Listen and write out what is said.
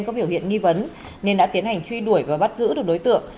có biểu hiện nghi vấn nên đã tiến hành truy đuổi và bắt giữ được đối tượng